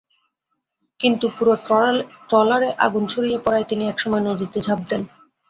কিন্তু পুরো ট্রলারে আগুন ছড়িয়ে পড়ায় তিনি একসময় নদীতে ঝাঁপ দেন।